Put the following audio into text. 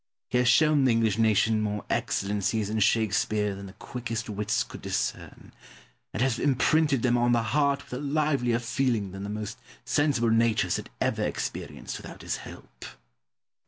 He has shown the English nation more excellencies in Shakespeare than the quickest wits could discern, and has imprinted them on the heart with a livelier feeling than the most sensible natures had ever experienced without his help.